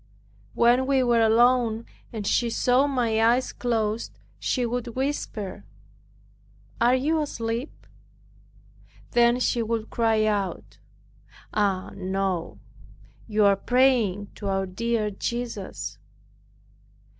When we were alone and she saw my eyes closed she would whisper, "Are you asleep?" Then she would cry out, "Ah no, you are praying to our dear Jesus."